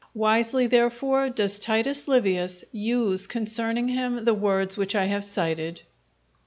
Wisely, therefore, does Titus Livius use concerning him the words which I have cited.